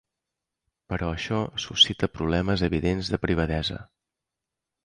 Però això suscita problemes evidents de privadesa.